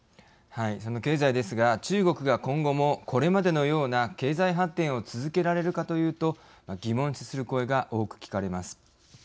その経済ですが中国が今後もこれまでと同じような経済発展を続けられるかというと疑問視する声が多く聞かれます。